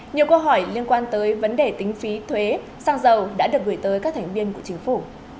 nhiều câu hỏi liên quan tới vấn đề tính phí thuế xăng dầu đã được gửi tới các thành viên của chính phủ